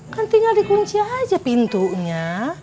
kan tinggal dikunci aja pintunya